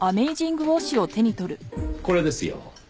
これですよ。